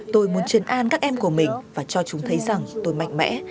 tôi muốn chân an các em của mình và cho chúng thấy rằng tôi mạnh mẽ